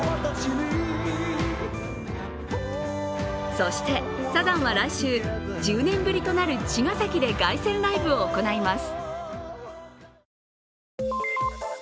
そして、サザンは来週１０年ぶりとなる茅ヶ崎で凱旋ライブを行います